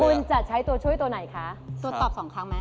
คุณจะใช้ตัวช่วยตัวไหนคะกรอบสองครั้งมั้ย